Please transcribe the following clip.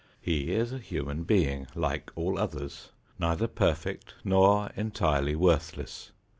He is a human being, like all others, neither perfect nor entirely worthless.